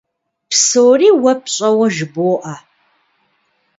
Псори уэ пщӀэуэ жыбоӀэ.